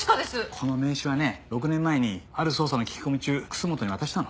この名刺はね６年前にある捜査の聞き込み中楠本に渡したの。